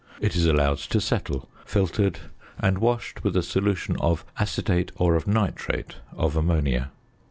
It is allowed to settle, filtered and washed with a solution of acetate or of nitrate of ammonia.